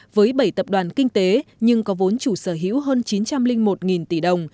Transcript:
với bảy tập đoàn kinh tế nhưng có vốn chủ sở hữu hơn chín trăm linh một tỷ đồng